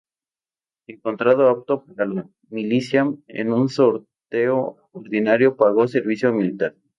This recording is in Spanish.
Encontrado apto para la milicia en un sorteo ordinario, pagó servicio militar.